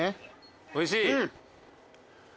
おいしい？